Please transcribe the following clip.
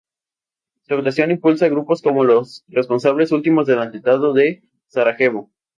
Su actuación impulsa grupos como los responsables últimos del atentado de Sarajevo.